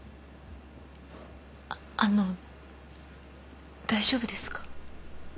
あっあの大丈夫ですか？